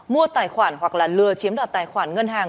mua tài khoản hoặc là lừa chiếm đoạt tài khoản ngân hàng